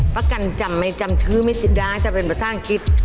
ประกันจำไม่จำชื่อไม่ติดได้จะเป็นภาษาอังกฤษ